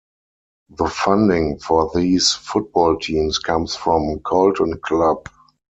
The funding for these football teams comes from Colton Club.